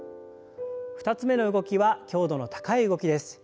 ２つ目の動きは強度の高い動きです。